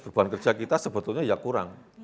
beban kerja kita sebetulnya ya kurang